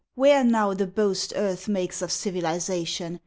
Where now the boast Earth makes of civilization?